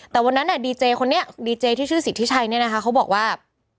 แต่วันนั้นดีเจคนนี้ดีเจที่ชื่อสิทธิชัยเนี่ยนะคะเขาบอกว่า